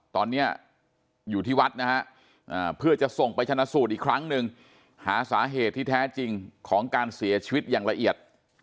ตอนนี้อยู่ที่วัดนะฮะเพื่อจะส่งไปชนะสูตรอีกครั้งหนึ่งหาสาเหตุที่แท้จริงของการเสียชีวิตอย่างละเอียด